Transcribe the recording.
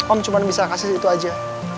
om cuma bisa kasih itu aja